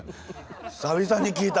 久々に聞いた。